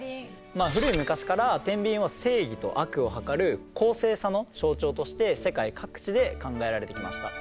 古い昔から天秤は正義と悪を量る公正さの象徴として世界各地で考えられてきました。